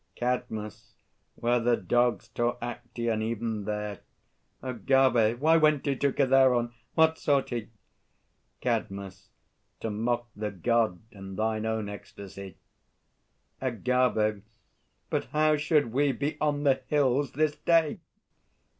CADMUS. Where the dogs tore Actaeon, even there. AGAVE. Why went he to Kithaeron? What sought he? CADMUS. To mock the God and thine own ecstasy. AGAVE. But how should we be on the hills this day?